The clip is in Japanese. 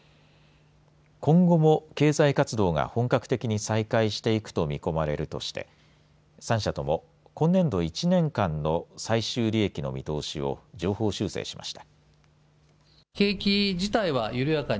今後も経済活動が本格的に再開していくと見込まれるとして３社とも今年度１年間の最終利益の見通しを上方修正しました。